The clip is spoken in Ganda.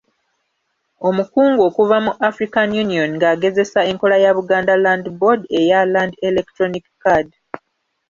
Omukungu okuva mu African Union ng’agezesa enkola ya Buganda Land Board eya Land Electronic Card.